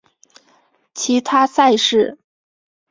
其他赛事